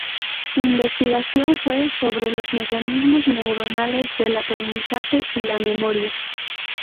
Su investigación fue sobre los mecanismos neuronales del aprendizaje y la memoria.